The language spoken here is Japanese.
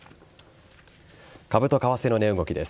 株と為替の値動きです。